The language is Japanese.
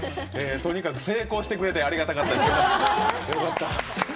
とにかく成功してくれてありがたかったです。